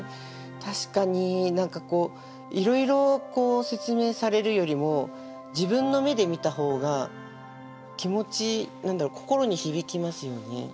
確かに何かこういろいろ説明されるよりも自分の目で見た方が気持ち何だろ心に響きますよね。